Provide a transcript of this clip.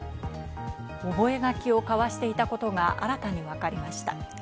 覚書を交わしていたことが新たに分かりました。